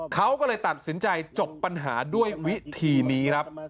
เขาก็เลยตัดสินใจจบปัญหาด้วยวิธีนี้ครับ